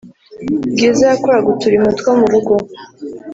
Bwiza yakoraga uturimo two mu rugo